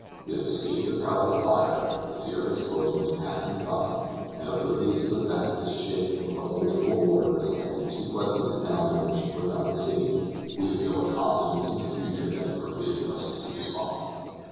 We have escaped the peril of fire; the fear of explosion is past and gone: and oblivious of the fact that the ship with a hold full of water is only too likely to founder when she puts out to sea, we feel a confidence in the future that forbids us to despond.